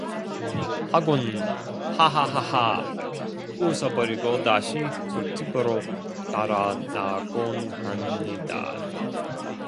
하고는 하하하하 웃어 버리고 다시 술집으로 달아나곤 합니다.